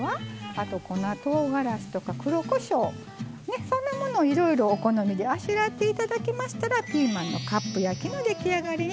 あと粉とうがらしとか黒こしょうそんなものをいろいろお好みであしらって頂きましたらピーマンのカップ焼きの出来上がりになります。